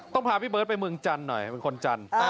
พาพี่เบิร์ตไปเมืองจันทร์หน่อยเป็นคนจันทร์